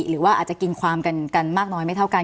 หรือว่าอาจจะกินความกันมากน้อยไม่เท่ากัน